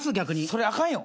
それあかんよ。